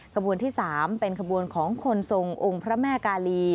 ขบวนที่๓เป็นขบวนของคนทรงองค์พระแม่กาลี